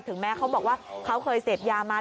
แม้เขาบอกว่าเขาเคยเสพยามา